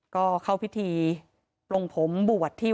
ก็เข้าพิธีปลงผมบวชที่